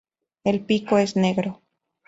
El pico es negro.